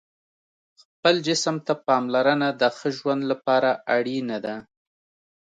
خپل جسم ته پاملرنه د ښه ژوند لپاره اړینه ده.